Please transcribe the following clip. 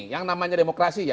yang namanya demokrasi ya